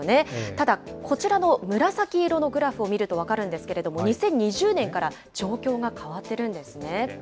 ただ、こちらの紫色のグラフを見ると分かるんですけど、２０２０年から状況が変わってるんですね。